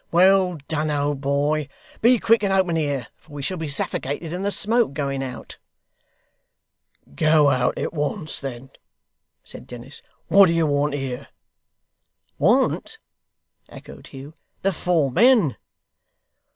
Well done, old boy. Be quick, and open here, for we shall be suffocated in the smoke, going out.' 'Go out at once, then,' said Dennis. 'What do you want here?' 'Want!' echoed Hugh. 'The four men.